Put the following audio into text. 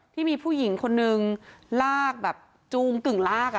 ที่มีผู้หญิงคนนึงลากแบบจูงกึ่งลาก